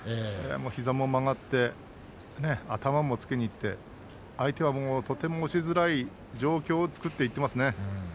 膝も曲がって頭もつけにいって相手はとても押しづらい状況を作っていってますね。